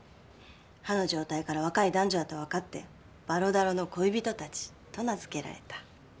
歯の状態から若い男女だとわかって「ヴァルダロの恋人たち」と名づけられた。